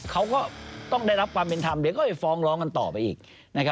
เขาก็ต้องได้รับความเป็นธรรมเดี๋ยวก็ไปฟ้องร้องกันต่อไปอีก